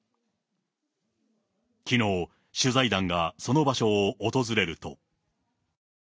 きのう、取材団がその場所を訪れると。